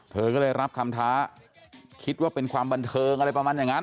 เธอก็เลยรับคำท้าคิดว่าเป็นความบันเทิงอะไรประมาณอย่างนั้น